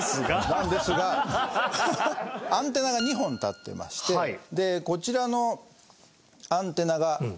なんですがアンテナが２本立ってましてこちらのアンテナが音程。